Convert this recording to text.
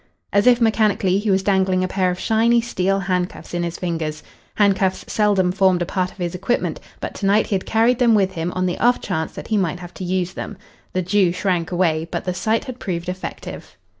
As if mechanically, he was dangling a pair of shiny steel handcuffs in his fingers. Handcuffs seldom formed a part of his equipment, but to night he had carried them with him on the off chance that he might have to use them. The Jew shrank away, but the sight had proved effective.